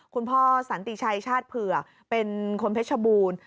คุณพ่อสันติชัยชาติเผือกเป็นคนเพชรบูรณ์